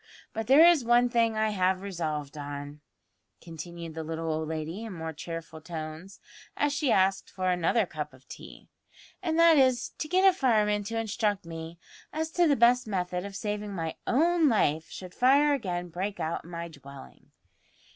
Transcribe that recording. But there is one thing I have resolved on," continued the little old lady in more cheerful tones, as she asked for another cup of tea, "and that is, to get a fireman to instruct me as to the best method of saving my own life should fire again break out in my dwelling."